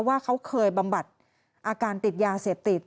ว่าเขาเคยบำบัดอาการติดยาเสพติด